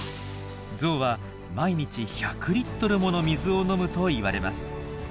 ゾウは毎日１００リットルもの水を飲むといわれます。